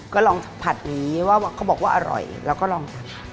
ก็ลองผัดนี้ว่าเขาบอกว่าอร่อยแล้วก็ลองทาน